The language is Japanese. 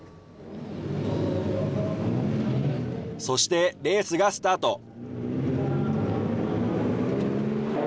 そしてレースがスタート。